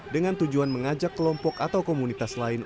dengan tujuan mengajak kelompok atau komunitas lain